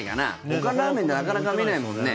ほかのラーメンでなかなか見ないもんね。